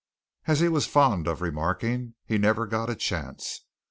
As he was fond of remarking, he never got a chance.